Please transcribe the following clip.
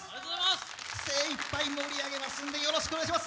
精一杯盛り上げますんでよろしくお願いします。